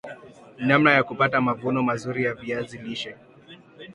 namna ya kupata mavuno mazuri ya viazi lishe